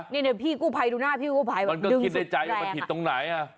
นี่พี่กุพัยดูหน้าพี่กุพัยดึงตรงไหน